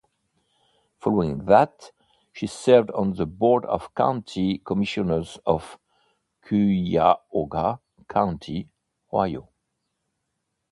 Following that, she served on the Board of County Commissioners of Cuyahoga County, Ohio.